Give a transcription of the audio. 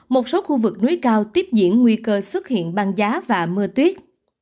một số khu vực núi cao tiếp diễn nguy cơ xuất hiện băng giá và mưa tuyết